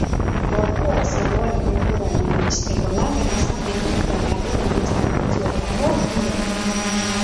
Gorpua zegoen lekuraino iristeko lanak izan dituzte larrialdi zerbitzuetako kideek.